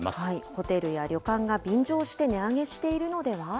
ホテルや旅館が便乗して値上げしているのでは。